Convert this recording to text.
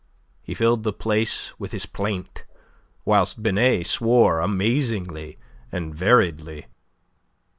He filled the place with his plaint, whilst Binet swore amazingly and variedly.